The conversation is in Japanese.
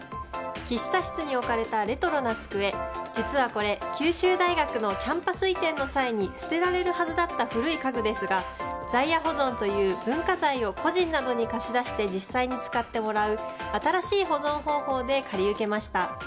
喫茶室に置かれたレトロな机実はこれ、九州大学のキャンパス移転の際に捨てられるはずだった古い家具ですが在野保存という文化財を個人などに貸し出して実際に使ってもらう新しい保存方法で借り受けました。